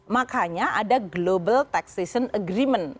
makanya ada global taxation agreement